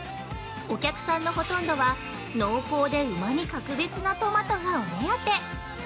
お客のほとんどは、濃厚でうまみ格別なトマトがお目当て。